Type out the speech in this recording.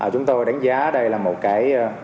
chúng tôi đánh giá đây là một cái